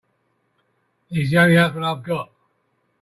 He's the only husband I've got.